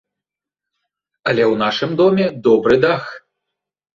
Але ў нашым доме добры дах.